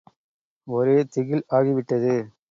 ஒரே திகில் ஆகிவிட்டது.